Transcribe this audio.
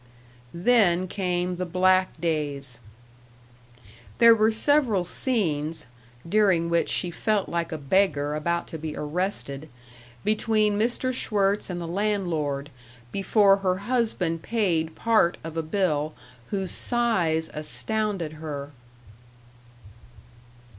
Then came the black days. There were several scenes (during which she felt like a beggar about to be arrested) between Mr. Schwirtz and the landlord, before her husband paid part of a bill whose size astounded her.